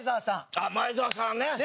あっ前澤さんね。